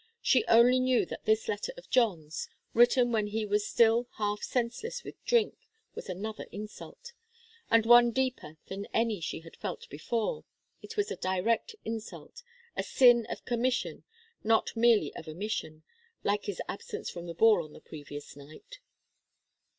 She only knew that this letter of John's, written when he was still half senseless with drink, was another insult, and one deeper than any she had felt before. It was a direct insult a sin of commission, and not merely of omission, like his absence from the ball on the previous night.